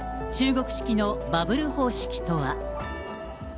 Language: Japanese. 中国式のバブル方式とは。